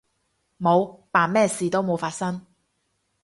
冇，扮咩事都冇發生